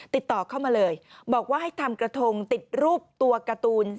ติดต่อเข้ามาเลยบอกว่าให้ทำกระทงติดรูปตัวการ์ตูน